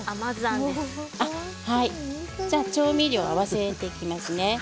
調味料を合わせていきますね。